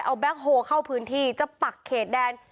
เอาแก๊คโฮเข้าพื้นที่จะปักเขตแดน